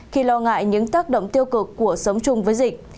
khi lo ngại những tác động tiêu cực của sống chung với dịch